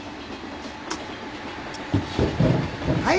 はい。